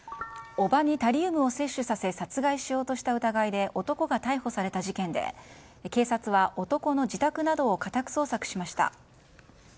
叔母にタリウムを摂取させ殺害しようとした疑いで男が逮捕された事件で警察は男の自宅などを家宅捜索しました。